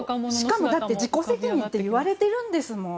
しかも自己責任って言われてるんですもん。